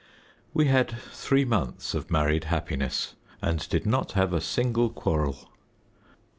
We had three months of married happiness, and did not have a single quarrel.